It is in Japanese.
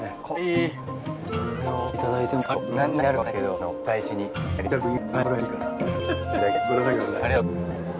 ご主人僕ありがとうございます。